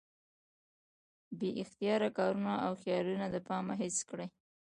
بې اختياره کارونه او خيالونه د پامه هېڅ کړي